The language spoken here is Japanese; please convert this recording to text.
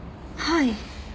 はい。